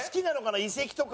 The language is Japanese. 遺跡とか。